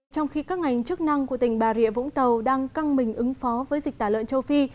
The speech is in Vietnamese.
trong khi các ngành chức năng của tỉnh bà rịa vũng tàu đang căng mình ứng phó với dịch tả lợn châu phi